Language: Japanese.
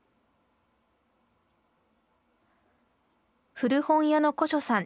古本屋の古書さん